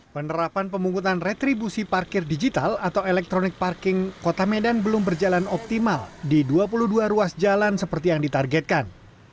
penerapan pemungkutan retribusi parkir digital atau electronic parking kota medan belum berjalan optimal di dua puluh dua ruas jalan seperti yang ditargetkan